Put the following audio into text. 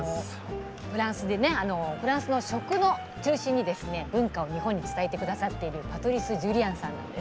フランスの食の中心の文化を日本に伝えてくださっているパトリス・ジュリアンさんです。